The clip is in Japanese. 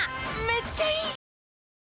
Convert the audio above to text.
めっちゃいい！